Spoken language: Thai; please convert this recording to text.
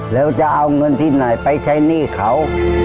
แล้วจะเอาเงินที่ไหนไปใช้หนี้เขา